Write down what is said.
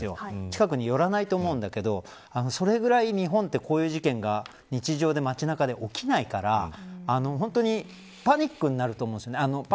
近くに寄らないと思うんだけどそれぐらい日本はこういう事件が日常で、街中で起きないからパニックになると思います。